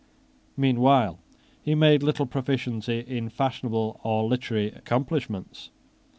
Meanwhile he made little proficiency in fashionable or literary accomplishments.